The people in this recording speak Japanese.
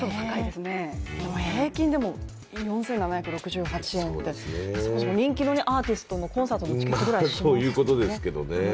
平均でも４７６８円って、人気のアーティストのコンサートのチケットくらいしますよね。